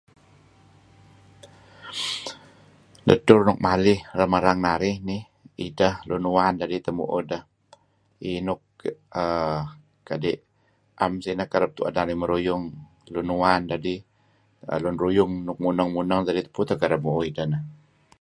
Dedtur nuk malih lem erang narih nih, ideh lun merar dedih teh mu'uh deh. Iih nik, kadi' 'am sineh kereb tu'en narih meruyung, lun uwan dedih lun ruyung dedih nuk muneng-muneng tupu teh kereb mu'uh ideh neh.